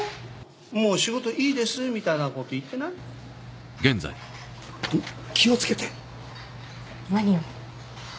もう仕事いいですみたいなこと言って気をつけて何を？